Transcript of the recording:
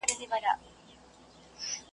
په نقشو د شیطانت کي بریالی سو .